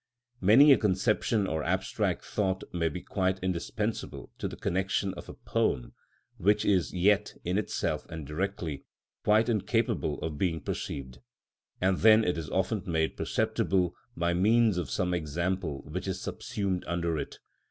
Many a conception or abstract thought may be quite indispensable to the connection of a poem, which is yet, in itself and directly, quite incapable of being perceived; and then it is often made perceptible by means of some example which is subsumed under it.